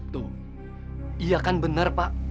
tuh iya kan benar pak